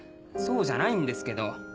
そうじゃないんですけど。